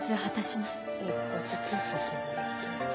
「一歩ずつ進んでいきます」